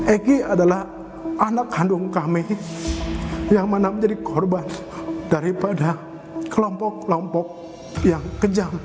egy adalah anak kandung kami yang mana menjadi korban daripada kelompok kelompok yang kejam